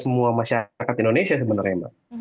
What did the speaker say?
semua masyarakat indonesia sebenarnya mbak